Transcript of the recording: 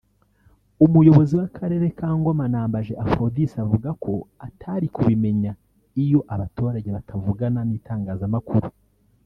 umuyobozi w’ akarere ka Ngoma Nambaje Aphrodis avuga ko atari kubimenya iyo abaturage batavugana n’itangazamakuru